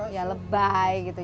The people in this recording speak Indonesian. ya lebay gitu